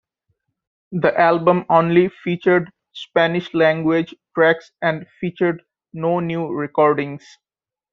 The album only featured Spanish-language tracks and featured no new recordings.